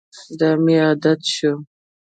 دا مې عادت شو.